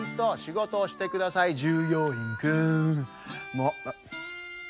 もう。